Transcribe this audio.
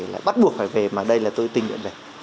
lại bắt buộc phải về mà đây là tôi tình nguyện về